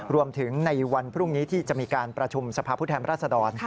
รวมถึงในวันพรุ่งนี้ที่จะมีการประชุมสภาพผู้แทนรัศดร